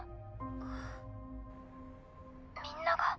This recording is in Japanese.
あっみんなが。